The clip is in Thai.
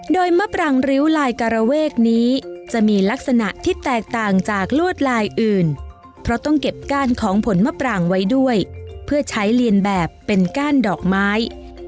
โดยมะปรางริ้วลายการเวกนี้จะมีลักษณะที่แตกต่างจากลวดลายอื่นเพราะต้องเก็บก้านของผลมะปรางไว้ด้วยเพื่อใช้เรียนแบบเป็นก้านดอกไม้